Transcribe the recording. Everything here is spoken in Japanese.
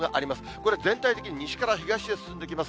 これ、全体的に西から東へ進んできます。